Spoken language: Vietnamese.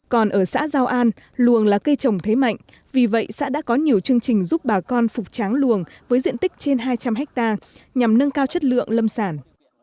còn ở xã giao an luồng là cây trồng thế mạnh vì vậy xã đã có nhiều chương trình giúp bà con phục tráng luồng với diện tích trên hai trăm linh hectare nhằm nâng cao chất lượng lâm sản